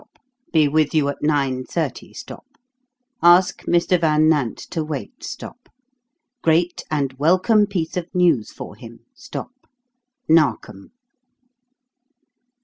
Be with you at nine thirty. Ask Mr. Van Nant to wait. Great and welcome piece of news for him. NARKOM."